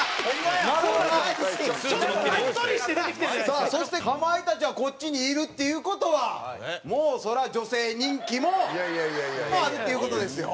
さあそしてかまいたちはこっちにいるっていう事はもうそりゃ女性人気もあるっていう事ですよ。